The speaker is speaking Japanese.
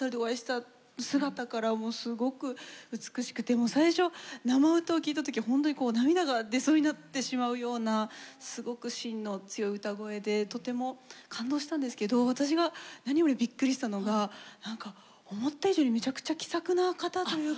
もう最初生歌を聴いた時ほんとに涙が出そうになってしまうようなすごく芯の強い歌声でとても感動したんですけど私が何よりびっくりしたのがなんか思った以上にめちゃくちゃ気さくな方というか。